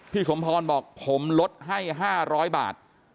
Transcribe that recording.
สมพรบอกผมลดให้๕๐๐บาท